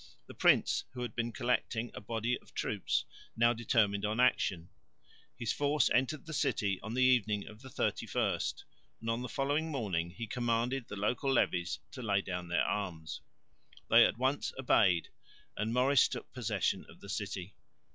The Prince, who had been collecting a body of troops, now determined on action. His force entered the city on the evening of the 31st, and on the following morning he commanded the local levies to lay down their arms. They at once obeyed, and Maurice took possession of the city.